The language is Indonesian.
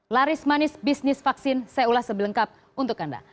laris manis bisnis vaksin saya ulas sebelengkap untuk anda